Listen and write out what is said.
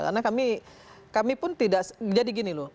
karena kami pun tidak jadi gini loh